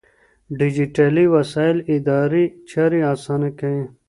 ډيجيټلي وسايل اداري چارې آسانه کوي.